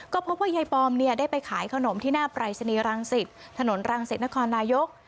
ก็พบว่ายายปอมเนี่ยได้ไปขายขนมที่หน้าปรายศนีย์รังสิตถนนรังสิตนครนายก